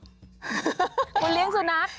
คุณเลี้ยงสุนัข